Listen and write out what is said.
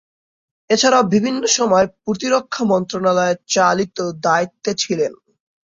এছাড়াও বিভিন্ন সময়ে প্রতিরক্ষা মন্ত্রণালয়ের চলতি দায়িত্বে ছিলেন।